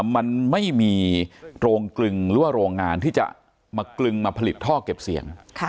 มันไม่มีโรงกลึงหรือว่าโรงงานที่จะมากลึงมาผลิตท่อเก็บเสียง